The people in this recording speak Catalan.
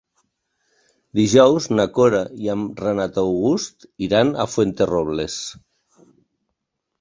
Dijous na Cora i en Renat August iran a Fuenterrobles.